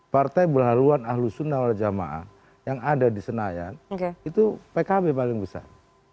partai berharuan ahlus sunnah wal jamaah yang ada di senayan itu pkb paling besar